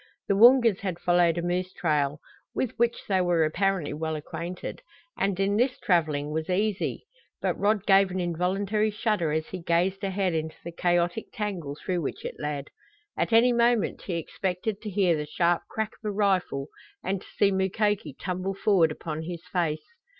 The Woongas had followed a moose trail, with which they were apparently well acquainted, and in this traveling was easy. But Rod gave an involuntary shudder as he gazed ahead into the chaotic tangle through which it led. At any moment he expected to hear the sharp crack of a rifle and to see Mukoki tumble forward upon his face.